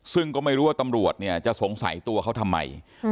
ซึ่งก็ไม่รู้ว่าตำรวจเนี่ยจะสงสัยตัวเขาทำไม